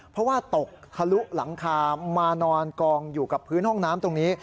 เพราะว่าตกทะลุหลังคามานอนกองอยู่กับพื้นห้องน้ำตรงนี้